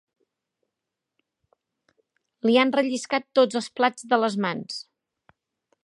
Li han relliscat tots els plats de les mans.